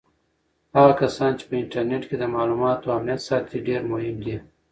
هغه کسان چې په انټرنیټ کې د معلوماتو امنیت ساتي ډېر مهم دي.